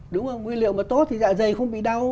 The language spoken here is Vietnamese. đúng không nguyên liệu mà tốt thì dạ dày không bị đau